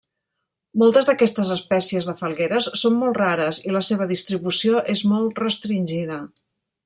Moltes d'aquestes espècies de falgueres són molt rares i la seva distribució és molt restringida.